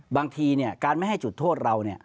บางทีการไม่ให้จุดโทษเรา